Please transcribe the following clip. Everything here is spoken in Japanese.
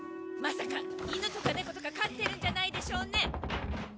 まさか犬とか猫とか飼ってるんじゃないでしょうね？